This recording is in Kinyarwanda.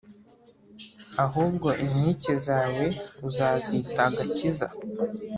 ahubwo inkike zawe uzazita «agakiza»,